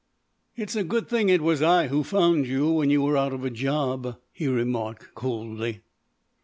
"It's a good thing it was I who found you when you were out of a job," he remarked coldly.